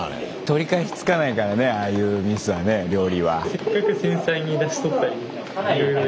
取り返しつかないからねああいうミスはね料理は。